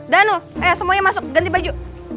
danu eh semuanya masuk ganti baju